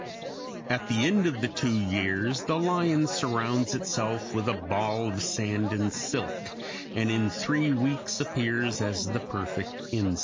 At the end of the two years the lion surrounds itself with a ball of sand and silk, and in three weeks appears as the perfect insect.